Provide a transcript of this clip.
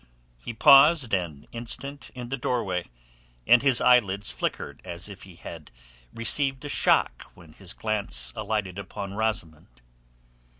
He paused an instant in the doorway, and his eyelids flickered as if he had received a shock when his glance alighted upon Rosamund.